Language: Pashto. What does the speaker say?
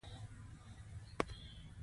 هماغه د اول پاټک کانې دلته هم راباندې وسوې.